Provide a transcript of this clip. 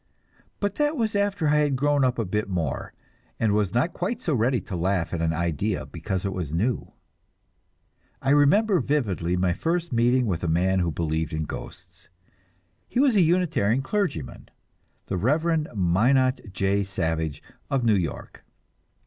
But that was after I had grown up a bit more, and was not quite so ready to laugh at an idea because it was new. I remember vividly my first meeting with a man who believed in ghosts. He was a Unitarian clergyman, the Reverend Minot J. Savage of New York.